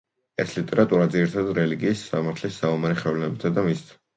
ეს ლიტერატურა ძირითადად რელიგიის, სამართლის, საომარი ხელოვნებისა და მისთ.